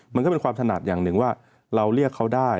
มันก็เป็นความถนัดอย่างหนึ่งว่าเราเรียกเขาได้